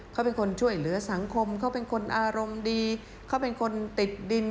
เขาเป็นคนช่วยเหลือสังคมเขาเป็นคนอารมณ์ดีเขาเป็นคนติดดิน